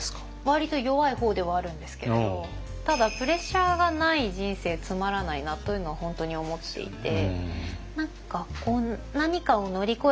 割と弱い方ではあるんですけれどただプレッシャーがない人生つまらないなというのを本当に思っていて。